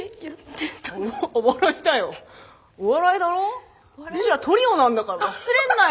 うちらトリオなんだから忘れんなよ。